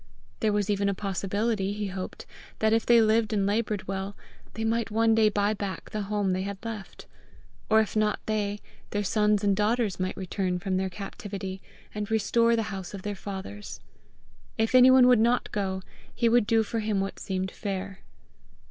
There was even a possibility, he hoped, that, if they lived and laboured well, they might one day buy back the home they had left; or if not they, their sons and daughters might return from their captivity, and restore the house of their fathers. If anyone would not go, he would do for him what seemed fair.